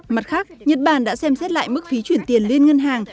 mặt khác nhật bản đã xem xét lại mức phí chuyển tiền liên ngân hàng